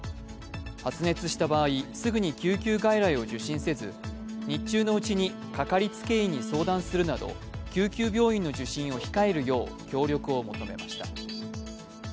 発熱した場合、すぐに救急外来を受診せず日中のうちにかかりつけ医に相談するなど、救急病院の受診を控えるよう協力を求めました。